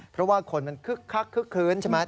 เพราะว่าคนมันคึกคักคึกคลื้นใช่ไหม